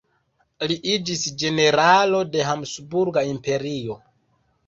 Li iĝis generalo de Habsburga Imperio.